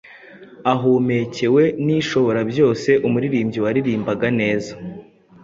Ahumekewe n’Ishoborabyose, Umuririmbyi waririmbaga neza